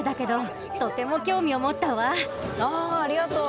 あありがとう！